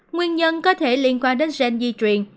nguyên nhân có thể liên quan đến gen di truyền